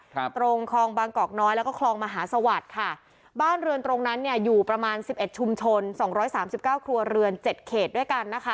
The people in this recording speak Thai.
ตรงคลองบางกอกน้อยแล้วก็คลองมหาสวัสดิ์ค่ะบ้านเรือนตรงนั้นเนี่ยอยู่ประมาณสิบเอ็ดชุมชนสองร้อยสามสิบเก้าครัวเรือนเจ็ดเขตด้วยกันนะคะ